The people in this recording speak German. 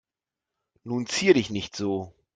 Nun zier dich nicht so.